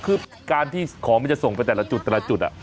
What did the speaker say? คือการที่ของมันจะส่งไปแต่ละจุดแต่ละจุด